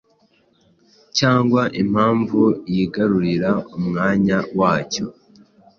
cyangwa impamvu yigarurira umwanya wacyo